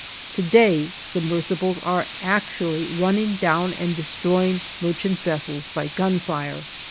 To day, submersibles are actually running down and destroying merchant vessels by gunfire.